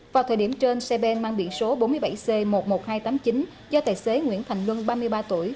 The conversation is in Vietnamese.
vào thời điểm trên xe ben mang biển số bốn mươi bảy c một mươi một nghìn hai trăm tám mươi chín do tài xế nguyễn thành luân ba mươi ba tuổi